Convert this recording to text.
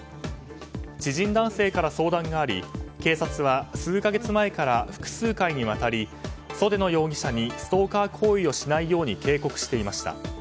知人男性から相談があり警察は数か月前から複数回にわたり袖野容疑者にストーカー行為をしないように警告していました。